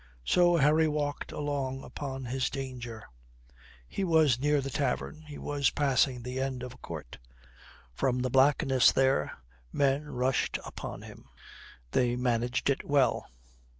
So Harry walked alone upon his danger. He was near the tavern, he was passing the end of a court. From the blackness there men rushed upon him. They managed it well.